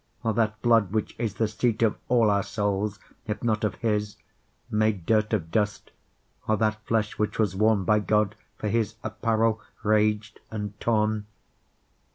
or that blood which isThe seat of all our Soules, if not of his, Made durt of dust, or that flesh which was worneBy God, for his apparell, rag'd, and torne?